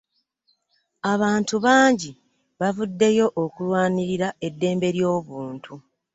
Abantu bangi bavuddeyo okulwanirira eddembe ly'obuntu